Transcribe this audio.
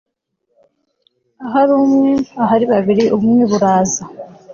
Ahari umwe ahari babiri ubumwe buraza